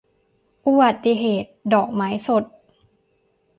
อุบัติเหตุ - ดอกไม้สด